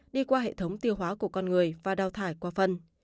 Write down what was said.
đi qua hệ thống tiêu hóa của con người và đào thải qua phân